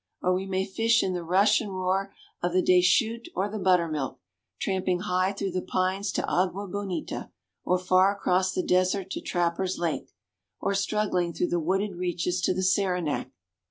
Or we may fish in the rush and roar of the Des Chutes or the Buttermilk, tramping high through the pines to Agua Bonita, or far across the desert to Trapper's Lake, or struggling through the wooded reaches to the Saranac.